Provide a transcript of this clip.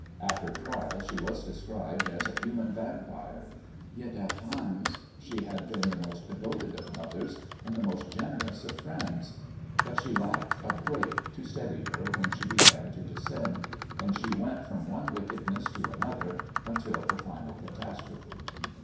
At her trial she was described as a "human vampire," yet at times she had been the most devoted of mothers and the most generous of friends. But she lacked a brake to steady her when she began to descend, and she went from one wickedness to another until the final catastrophe.